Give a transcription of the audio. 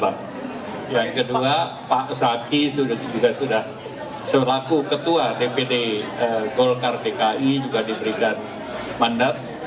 yang kedua pak saki juga sudah selaku ketua dpd golkar dki juga diberikan mandat